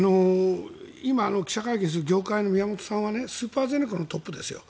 今、記者会見した宮本さんはスーパーゼネコンのトップです。